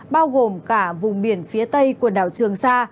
bao gồm cả vùng biển phía tây quần đảo trường sa